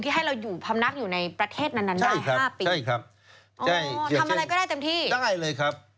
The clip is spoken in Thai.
ที่ให้เราพำนักอยู่ในประเทศนั้นได้๕ปีอ่อทำอะไรก็ได้เต็มที่ใช่ครับ